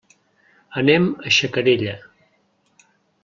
Anem a Xacarella.